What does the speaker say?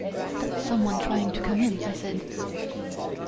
" That's some one trying to come in," I said.